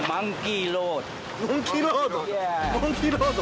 モンキーロード？